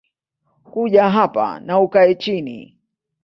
Kuja hapa na ukae chini